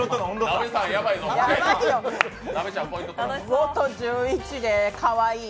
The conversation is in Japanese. ５と１１でかわいい。